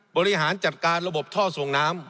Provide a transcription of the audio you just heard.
บริหารจัดการระบบท่อส่งน้ำ